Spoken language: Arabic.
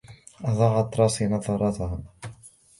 أضاعت تراسي نظارتها.